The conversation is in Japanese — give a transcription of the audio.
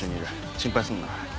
心配すんな。